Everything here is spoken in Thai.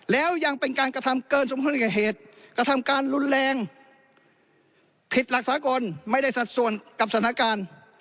แล้วยังเป็นการกระทำเกินสมควรแก่เหตุกระทำการรุนแรงผิดหลักสากลไม่ได้สัดส่วนกับสถานการณ์